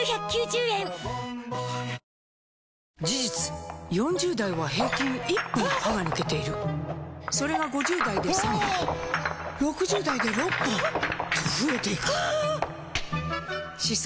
事実４０代は平均１本歯が抜けているそれが５０代で３本６０代で６本と増えていく歯槽